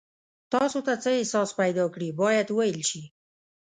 تاسو ته څه احساس پیدا کیږي باید وویل شي.